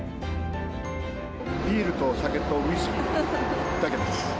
ビールとお酒とウイスキーだけです。